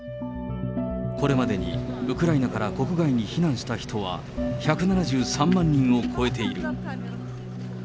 これまでにウクライナから国外に避難した人は１７３万人を超えている。